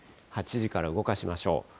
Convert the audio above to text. ８時から動かしましょう。